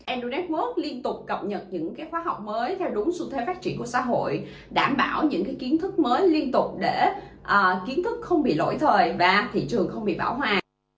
em resco liên tục cập nhật những khóa học mới theo đúng xu thế phát triển của xã hội đảm bảo những kiến thức mới liên tục để kiến thức không bị lỗi thời và thị trường không bị bão hòa